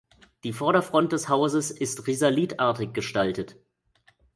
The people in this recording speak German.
Die Vorderfront des Hauses ist risalitartig gestaltet.